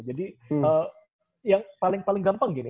jadi yang paling gampang gini